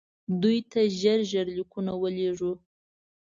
دوی ته ژر ژر لیکونه ولېږو.